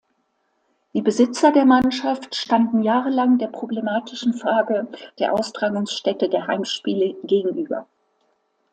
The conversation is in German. Die Besitzer der Mannschaft standen jahrelang der problematischen Frage der Austragungsstätte der Heimspiele gegenüber.